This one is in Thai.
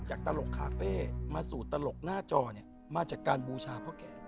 ตลกคาเฟ่มาสู่ตลกหน้าจอเนี่ยมาจากการบูชาพ่อแก่